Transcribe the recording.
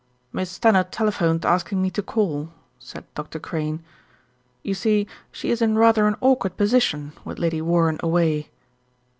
"Miss Stannard telephoned asking me to call," said Dr. Crane. "You see, she is 'n rather an awkward posi tion, with Lady Warren away."